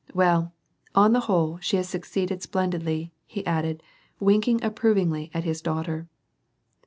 " Well, on the whole, she has succeeded splendidly," he added, wink ing approvingly at his daughter.